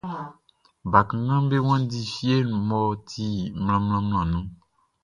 Bakannganʼm be wanndi fie mʼɔ ti mlanmlanmlanʼn nun.